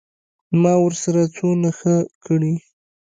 ما ورسره څونه ښه کړي.